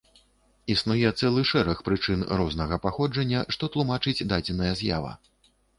Існуе цэлы шэраг прычын рознага паходжання, што тлумачаць дадзеная з'ява.